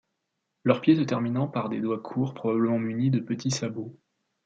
Leur pieds se terminant par des doigts courts probablement munis de petits sabots.